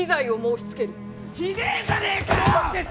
ひでえじゃねえかよ！